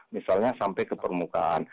misalnya sampai ke permukaan